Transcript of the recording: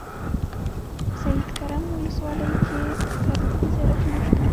سیدکرم ولسوالۍ کې تاریخي زيارتونه شته.